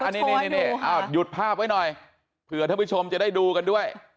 อันนี้ก็โชว์ให้ดูค่ะอ้าวหยุดภาพไว้หน่อยเผื่อท่านผู้ชมจะได้ดูกันด้วย